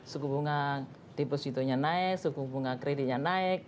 suku bunga depositonya naik suku bunga kreditnya naik